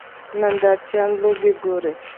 نندارچیان لوبه ګوري.